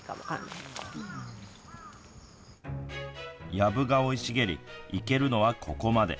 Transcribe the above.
やぶが生い茂り行けるのはここまで。